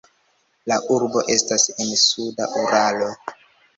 La urbo estas en suda Uralo.